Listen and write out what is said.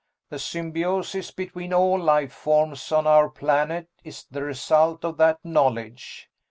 The symbiosis between all life forms on our planet is the result of that knowledge.